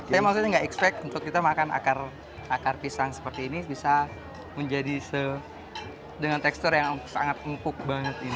tapi maksudnya nggak expect untuk kita makan akar pisang seperti ini bisa menjadi dengan tekstur yang sangat empuk banget